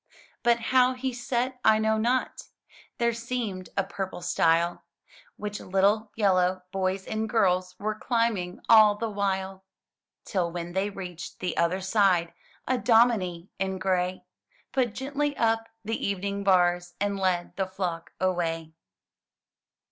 But how he set, I know not. There seemed a purple stile Which little yellow boys and girls Were climbing all the while. Till when they reached the other side, A dominie in gray Put gently up the evening bars, And led the flock away.